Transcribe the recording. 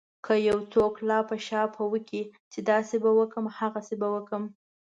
که يو څوک لاپه شاپه وکړي چې داسې به وکړم هسې به وکړم.